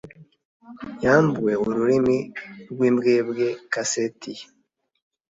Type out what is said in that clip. yambuwe ururimi rwimbwebwe, kaseti ye